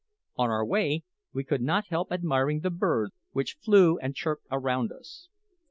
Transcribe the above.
On our way we could not help admiring the birds which flew and chirped around us.